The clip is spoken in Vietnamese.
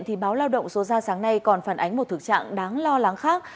thì báo lao động số ra sáng nay còn phản ánh một thực trạng đáng lo lắng khác